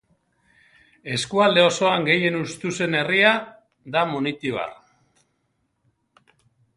Eskualde osoan gehien hustu zen herria da Munitibar.